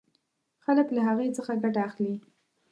خلک له هغې څخه ګټه اخلي.